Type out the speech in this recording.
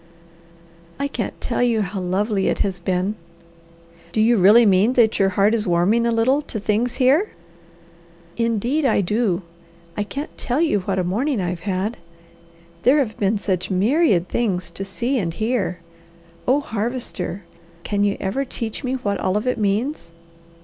"I can't tell you how lovely it has been!" "Do you really mean that your heart is warming a little to things here?" "Indeed I do! I can't tell you what a morning I've had. There have been such myriad things to see and hear. Oh, Harvester, can you ever teach me what all of it means?"